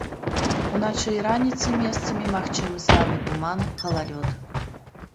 Уначы і раніцай месцамі магчымы слабы туман, галалёд.